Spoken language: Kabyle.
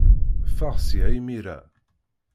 Ffeɣ seg-a imir-a.